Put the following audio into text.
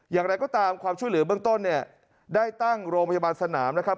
อย่างไรก็ตามความช่วยเหลือเบื้องต้นเนี่ยได้ตั้งโรงพยาบาลสนามนะครับ